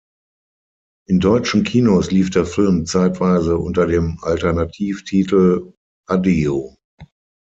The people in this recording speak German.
In deutschen Kinos lief der Film zeitweise unter dem Alternativtitel "Addio!